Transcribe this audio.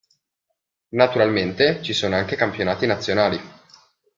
Naturalmente ci sono anche campionati nazionali.